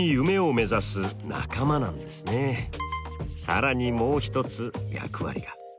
更にもう一つ役割が。